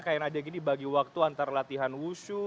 kayaknya ada gini bagi waktu antara latihan wushu